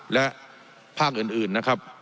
และภาคอื่นนะครับ